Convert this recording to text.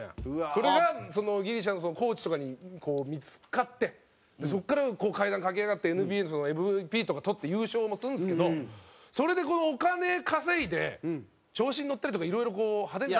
それがギリシャのコーチとかにこう見付かってそこから階段駆け上がってＮＢＡでＭＶＰとかとって優勝もするんですけどそれでこのお金稼いで調子に乗ったりとかいろいろこう派手に。